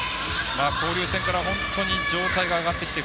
交流戦から本当に状態が上がってきて